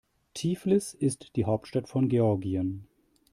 Tiflis ist die Hauptstadt von Georgien.